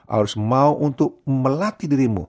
harus mau untuk melatih dirimu